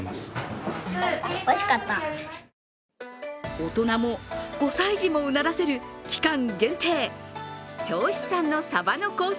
大人も５歳児もうならせる期間限定、銚子産のサバもコース